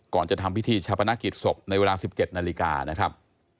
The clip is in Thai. ก่อนจะทำพิธีชาปนกิจศพในเวลา๑๗นาฬิกานะครับ